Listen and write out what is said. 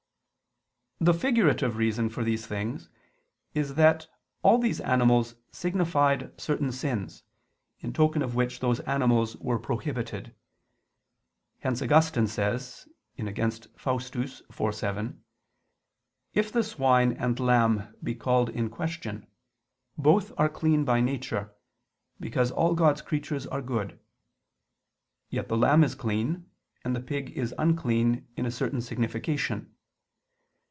The figurative reason for these things is that all these animals signified certain sins, in token of which those animals were prohibited. Hence Augustine says (Contra Faustum iv, 7): "If the swine and lamb be called in question, both are clean by nature, because all God's creatures are good: yet the lamb is clean, and the pig is unclean in a certain signification.